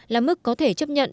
là mức có thể chấp nhận